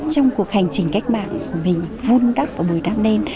trong cuộc hành trình cách mạng của mình vun đắp và bồi đắp nên